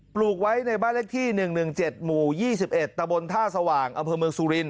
ลูกไว้ในบ้านเลขที่๑๑๗หมู่๒๑ตะบนท่าสว่างอำเภอเมืองสุรินท